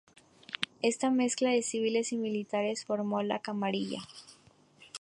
Esta mezcla de civiles y militares formó la camarilla.